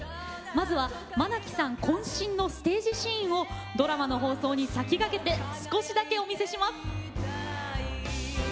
まずは、愛希さんこん身のステージシーンをドラマの放送に先駆けて少しだけお見せします。